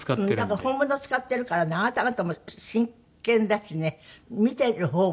だから本物を使ってるからねあなた方も真剣だしね見ている方もねなんか怖い。